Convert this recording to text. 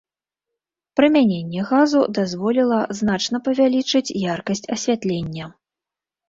Прымяненне газу дазволіла значна павялічыць яркасць асвятлення.